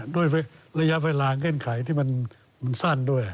ด้วยระยะเวลาเงื่อนไขที่มันสั้นด้วย